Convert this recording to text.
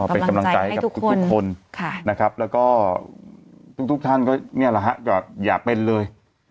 ไปกำลังใจให้ทุกคนแล้วก็ทุกท่านก็อย่าเป็นเลย